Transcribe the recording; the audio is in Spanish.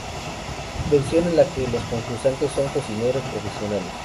Versión en la que los concursantes son cocineros profesionales.